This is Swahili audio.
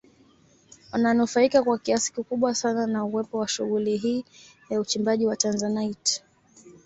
Wananufaika kwa kiasi kikubwa sana na uwepo wa shughuli hii ya uchimbaji wa Tanzanite